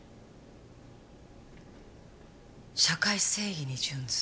「社会正義に殉ず」